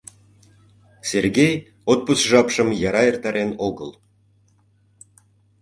Сергей отпуск жапшым яра эртарен огыл.